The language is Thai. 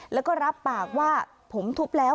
แล้วก็รับปากว่าผมทุบแล้ว